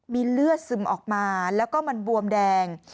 มีเลือดซึมออกมาแล้วก็มันบวมแดง